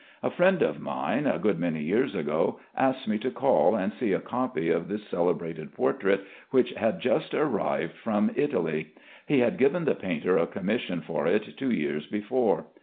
A friend of mine a good many years ago asked me to call and see a copy of this celebrated portrait which had just arrived from Italy. He had given the painter a commission for it two years before.